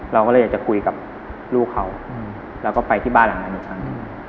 เราก็เลยอยากจะคุยกับลูกเขาแล้วก็ไปที่บ้านหลังนั้นอีกครั้ง